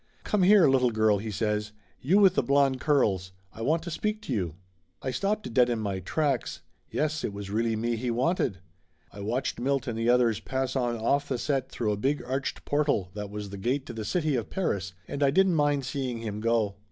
"Come here, little girl," he says. "You with the blond curls ! I want to speak to you !" I stopped dead in my tracks. Yes, it was really me he wanted. I watched Milt and the others pass on off the set through a big arched portal that was the gate to the City of Paris, and I didn't mind seeing him go.